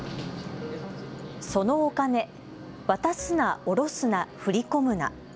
そのお金渡すな、おろすな、振り込むな。